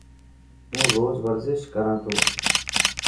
هون روز ورزش ڪران ٿو.